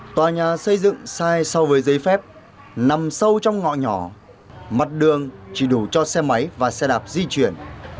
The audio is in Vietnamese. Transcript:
tòa nhà xây dựng sai so với giấy phép nằm sâu trong ngõ nhỏ mặt đường chỉ đủ cho xe máy và xe đạp di chuyển